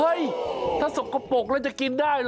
ถ้าสกปรกแล้วจะกินได้เหรอ